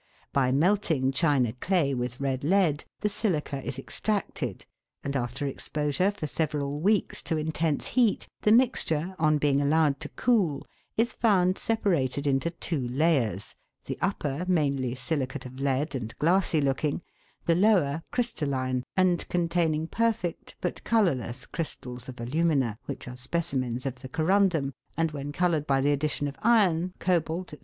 By melting china clay with red lead, the silica is extracted, and after exposure for several weeks to intense heat, the mixture, on being allowed to cool, is found separated into two layers, the upper, mainly silicate of lead and glassy looking, the lower, crystalline, and containing perfect, but colourless, crystals of alumina, which are specimens of the corundum, and when coloured by the addition of iron, cobalt, &c.